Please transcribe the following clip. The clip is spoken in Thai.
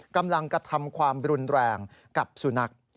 กำลังกระทำความรุนแรงกับสุนัข